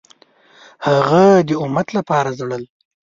هغه د امت لپاره ژړل.